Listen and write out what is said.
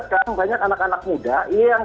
sekarang banyak anak anak muda yang